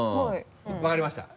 分かりました。